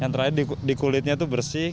yang terakhir di kulitnya itu bersih